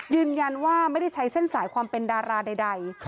ยืนยันว่าไม่ได้ใช้เส้นสายความเป็นดาราใด